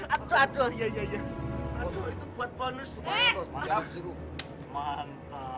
aduh aduh iya iya aduh itu buat bonus